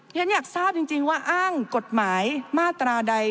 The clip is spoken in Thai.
ฉันอยากทราบจริงว่าอ้างกฎหมายมาตราใด